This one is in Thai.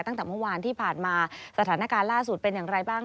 ตั้งแต่เมื่อวานที่ผ่านมาสถานการณ์ล่าสุดเป็นอย่างไรบ้าง